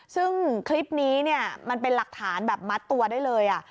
ซึ่งคลิปนี้เนี่ยมันเป็นหลักฐานแบบมัดตัวได้เลย